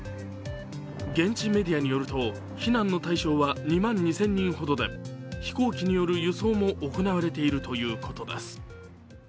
現地メディアによると避難の対象は２万２０００人ほどで飛行機による輸送も行われているということです。